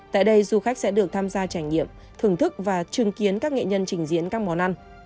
tại đây du khách sẽ được tham gia trải nghiệm thưởng thức và chứng kiến các nghệ nhân trình diễn các món ăn